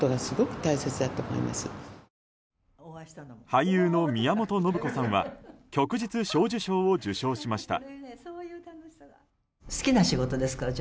俳優の宮本信子さんは旭日小綬章を受章しました。